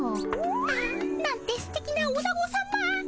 ああなんてすてきなおなごさま。